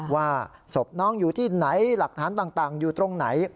ว่าศพน้องอยู่ที่ไหนหลักฐานต่างอยู่ตรงไหน